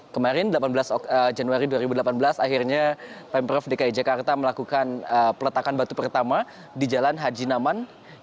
kemarin delapan belas januari dua ribu delapan belas akhirnya pemprov dki jakarta melakukan peletakan batu pertama di jalan haji naman